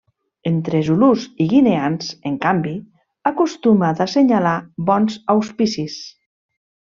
Entre zulús i guineans, en canvi, acostuma d'assenyalar bons auspicis.